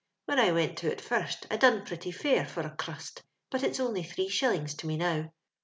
When I went to it first, I done pretty fair for a currust ; but it's onJy three shillings to me now.